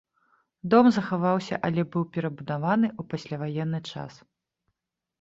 Дом захаваўся, але быў перабудаваны ў пасляваенны час.